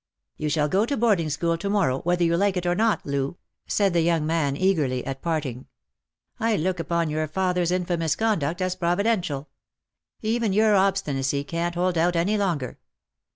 " You shall go to boarding school to morrow, whether you lite it or not, Loo," said the young man eagerly, at parting. " I look upon your father's infamous conduct as providential. Even your obstinacy can't hold out any longer."